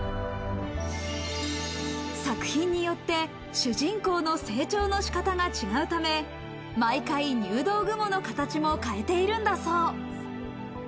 作品によって主人公の成長の仕方が違うため毎回、入道雲の形も変えているんだそう。